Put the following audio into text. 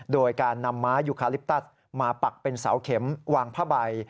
โดยการนำม้ายูคาลิปตัสมาปักเป็นเสาเข็มวางผ้าใบ